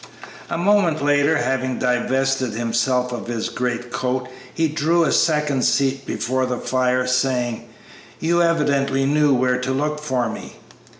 A moment later, having divested himself of his great coat, he drew a second seat before the fire, saying, "You evidently knew where to look for me?"